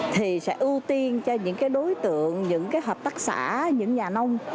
thì sẽ ưu tiên cho những cái đối tượng những hợp tác xã những nhà nông